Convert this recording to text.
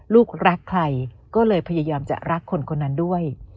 ลูกรักใครก็เลยพยายามจะรักคนคนนั้นด้วย